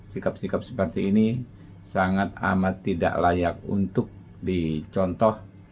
sikap sikap seperti ini sangat amat tidak layak untuk dicontoh